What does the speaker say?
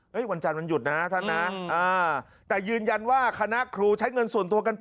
วันจันทร์วันหยุดนะท่านนะแต่ยืนยันว่าคณะครูใช้เงินส่วนตัวกันไป